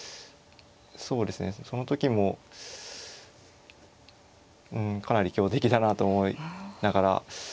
そうですねその時もうんかなり強敵だなと思いながら。